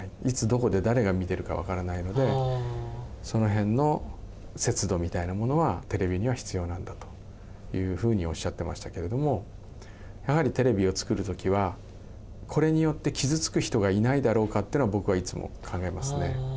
いつどこで誰が見てるか分からないのでその辺の節度みたいなものはテレビには必要なんだというふうにおっしゃってましたけれどもやはりテレビを作る時は「これによって傷つく人がいないだろうか」ってのは僕はいつも考えますね。